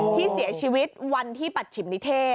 ที่เสียชีวิตวันที่ปัจฉิมนิเทศ